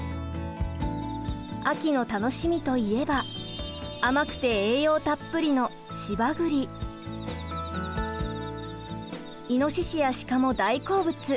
秋の楽しみといえば甘くて栄養たっぷりのイノシシやシカも大好物。